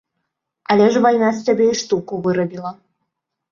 Але ж вайна з цябе і штуку вырабіла!